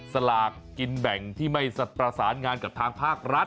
สลากกินแบ่งที่ไม่ประสานงานกับทางภาครัฐ